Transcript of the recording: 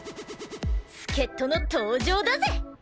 助っ人の登場だぜ！